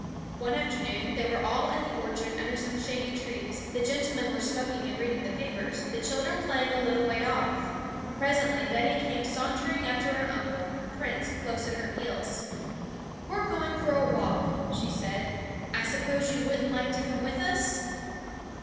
One afternoon they were all in the orchard under some shady trees: the gentlemen were smoking and reading the papers, the children playing a little way off. Presently Betty came sauntering up to her uncle, Prince close at her heels. 'We're going for a walk,' she said; 'I s'pose you wouldn't like to come with us?'